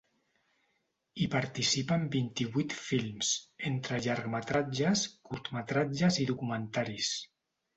Hi participen vint-i-vuit films, entre llargmetratges, curtmetratges i documentaris.